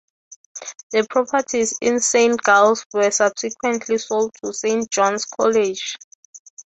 The properties in Saint Giles's were subsequently sold to Saint John's College.